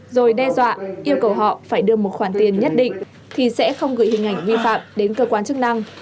rồi đe dọa yêu cầu họ phải đưa một khoản tiền nhất định thì sẽ không gửi hình ảnh vi phạm đến cơ quan chức năng